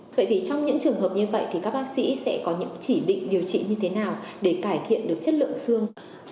vậy thì trong những trường hợp như vậy thì các bác sĩ sẽ có những chỉ định điều trị như thế nào để cải thiện được chất lượng xương